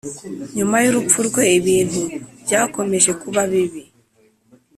nyuma y urupfu rwe ibintu byakomeje kuba bibi